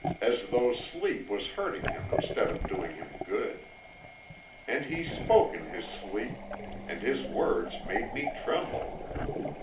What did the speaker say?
as though sleep was hurting him instead of doing him good. And he spoke in his sleep, and his words made me tremble.